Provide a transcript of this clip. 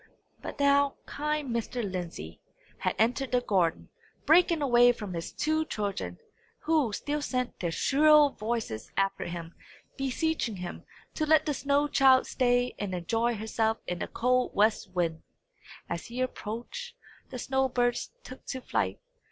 But now kind Mr. Lindsey had entered the garden, breaking away from his two children, who still sent their shrill voices after him, beseeching him to let the snow child stay and enjoy herself in the cold west wind. As he approached, the snow birds took to flight.